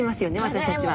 私たちは。